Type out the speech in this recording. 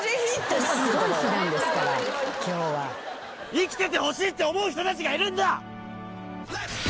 「生きててほしいって思う人たちがいるんだ」